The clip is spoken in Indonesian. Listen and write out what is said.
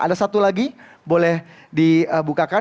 ada satu lagi boleh dibukakan